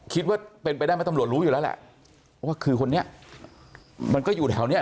คิดว่าเป็นไปได้ไหมตำรวจรู้อยู่แล้วแหละว่าคือคนนี้มันก็อยู่แถวเนี้ย